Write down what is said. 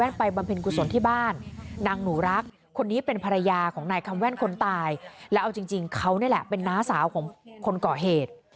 นางหนูรักคนนี้เป็นภรรยาของนายคำแว่นคนตายแล้วเอาจริงจริงเขานี่แหละเป็นน้าสาวของคนเกาะเหตุ